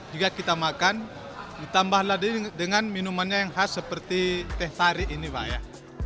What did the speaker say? juga kita makan ditambahlah dengan minuman yang khas seperti teh tarik ini pak ya